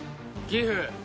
ギフ！